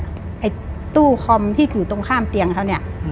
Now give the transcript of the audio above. ไอ้ตู้คอมที่อยู่ตรงข้ามเตียงเขาเนี่ย